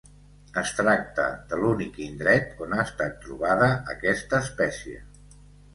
Es tracta de l'únic indret on ha estat trobada aquesta espècie.